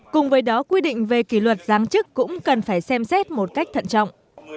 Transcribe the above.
cùng với đó quy định về kỷ luật giáng chức cũng cần phải xem xét một cách thận trọng